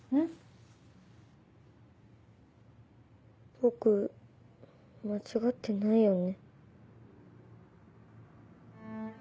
僕間違ってないよね？